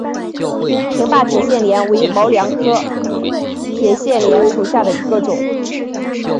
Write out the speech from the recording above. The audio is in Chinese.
平坝铁线莲为毛茛科铁线莲属下的一个种。